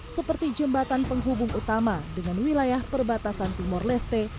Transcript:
seperti jembatan penghubung utama dengan wilayah perbatasan timur leste